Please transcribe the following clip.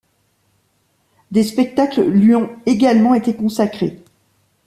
Des spectacles lui ont également été consacrés.